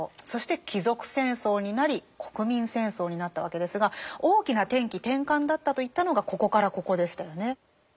そして貴族戦争になり国民戦争になったわけですが大きな転機転換だったと言ったのがここからここでしたよね。